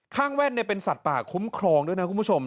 แว่นเป็นสัตว์ป่าคุ้มครองด้วยนะคุณผู้ชม